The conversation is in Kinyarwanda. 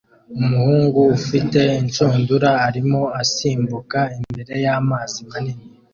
Umuhungu ufite inshundura arimo asimbuka imbere y'amazi manini